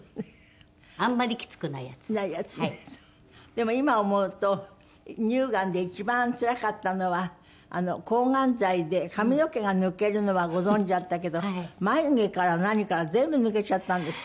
でも今思うと乳がんで一番つらかったのは抗がん剤で髪の毛が抜けるのはご存じだったけど眉毛から何から全部抜けちゃったんですって？